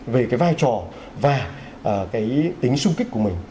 về cái vai trò và cái tính sung kích của mình